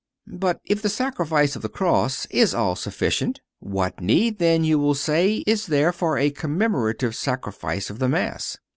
But if the sacrifice of the cross is all sufficient what need then, you will say, is there of a commemorative Sacrifice of the Mass?